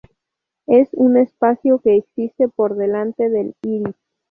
Es un espacio que existe por delante del iris.